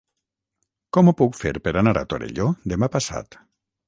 Com ho puc fer per anar a Torelló demà passat?